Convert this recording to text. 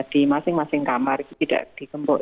di masing masing kamar itu tidak digembok